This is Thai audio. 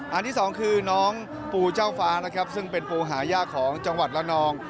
ที่สองคือน้องปูเจ้าฟ้านะครับซึ่งเป็นปูหายากของจังหวัดละนอง